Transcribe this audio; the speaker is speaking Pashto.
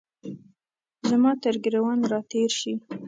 زما ترګریوان را تیر شي